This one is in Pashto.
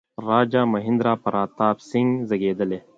راجا مهیندرا پراتاپ سینګه زېږېدلی.